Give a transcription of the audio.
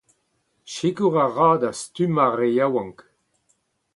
Sikour a ra da stummañ ar re yaouank.